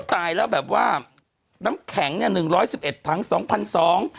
ตายแล้วแบบว่าน้ำแข็งเนี่ยหนึ่งร้อยสิบเอ็ดถังสองพันสอง